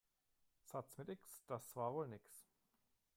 Satz mit X, das war wohl nix.